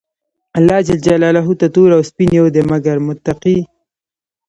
الله ج ته تور او سپين يو دي، مګر متقي.